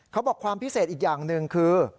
เขาบอกความพิเศษอีกอย่างหนึ่งคือ